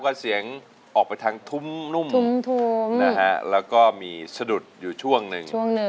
ก็เสียงออกไปทางทุ่มนุ่มทุ่มนะฮะแล้วก็มีสะดุดอยู่ช่วงนึง